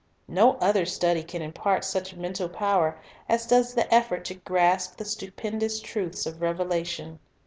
No other study can impart such mental power as does the effort to grasp the stupendous truths of revelation.